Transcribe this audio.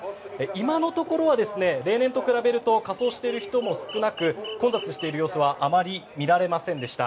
今のところは例年と比べると仮装している人も少なく混雑している様子はあまり見られませんでした。